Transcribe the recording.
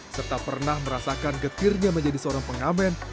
serta pernah merasakan getirnya menjadi seorang pengamen